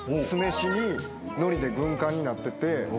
酢飯にのりで軍艦になってて。